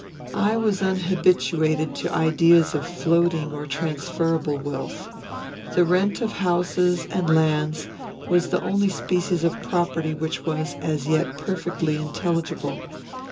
I was unhabituated to ideas of floating or transferable wealth. The rent of houses and lands was the only species of property which was, as yet, perfectly intelligible.